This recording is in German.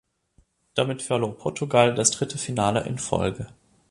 Damit verlor Portugal das dritte Finale in Folge.